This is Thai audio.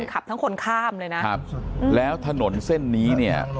เข้าขนคร่ามเลยนะครับแล้วถนนเส้นนี้เนี่ย